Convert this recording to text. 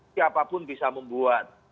siapapun bisa membuat